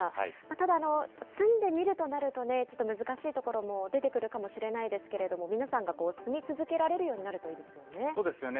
ただ、住んでみるとなるとね、ちょっと難しいところも出てくるかもしれないですけれども、皆さんが住み続けられるようになるといいですよね。